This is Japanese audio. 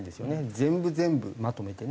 全部全部まとめてね